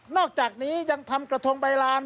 อกจากนี้ยังทำกระทงใบลาน